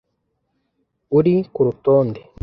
uri kurutonde